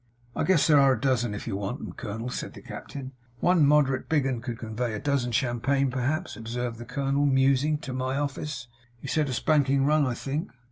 'I guess there air a dozen if you want 'em, colonel,' said the captain. 'One moderate big 'un could convey a dozen champagne, perhaps,' observed the colonel, musing, 'to my office. You said a spanking run, I think?